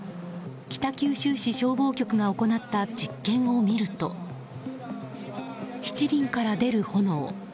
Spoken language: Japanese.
北九州市消防局が行った実験を見ると七輪から出る炎。